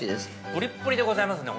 ◆プリップリでございますね